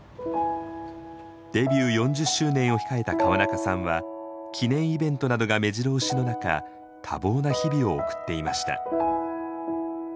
デビュー４０周年を控えた川中さんは記念イベントなどがめじろ押しの中多忙な日々を送っていました。